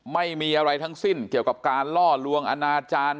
ไม่มีอะไรทั้งสิ้นเกี่ยวกับการล่อลวงอนาจารย์